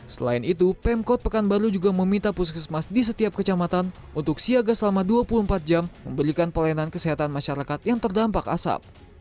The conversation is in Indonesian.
selain itu pemkot pekanbaru juga meminta puskesmas di setiap kecamatan untuk siaga selama dua puluh empat jam memberikan pelayanan kesehatan masyarakat yang terdampak asap